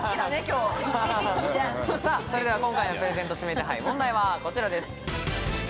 それでは今回のプレゼント指名手配問題はこちらです。